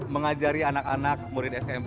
mengajari anak anak murid smp